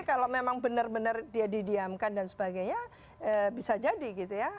kalau memang benar benar dia didiamkan dan sebagainya bisa jadi gitu ya